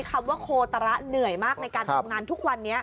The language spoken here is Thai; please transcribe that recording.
คำว่าโคตระเหนื่อยมากในการทำงานทุกวันนี้